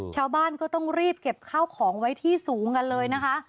ชาวบ้านก็ต้องรีบเก็บข้าวของไว้ที่สูงกันเลยนะคะ